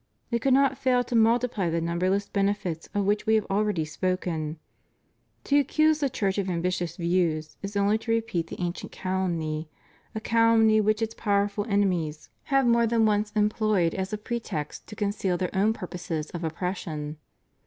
It could not fail to multiply the numberless benefits of which We have already spoken. To accuse the Church of ambitious views is only to repeat the ancient calumny, a calumny which its pow^erful enemies 572 REVIEW OF HIS PONTIFICATE. have more than once employed as a pretext to conceal their own purposes of oppression.